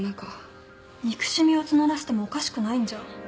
憎しみを募らせてもおかしくないんじゃ？